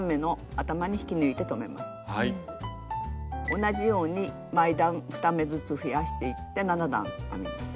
同じように前段２目ずつ増やしていって７段編みます。